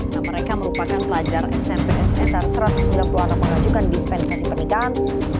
nah mereka merupakan pelajar smps etar satu ratus sembilan puluh enam mengajukan dispensasi pernikahan